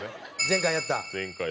前回やった。